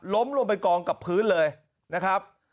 ลงไปกองกับพื้นเลยนะครับ